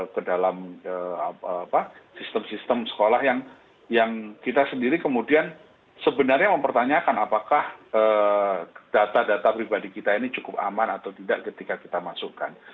ke dalam sistem sistem sekolah yang kita sendiri kemudian sebenarnya mempertanyakan apakah data data pribadi kita ini cukup aman atau tidak ketika kita masukkan